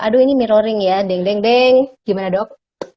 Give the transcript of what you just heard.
aduh ini mirroring ya deng deng deng gimana dok